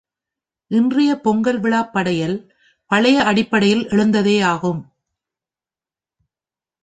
இன்றைய பொங்கல் விழாப் படையல், பழைய அடிப்படையில் எழுந்ததேயாகும்.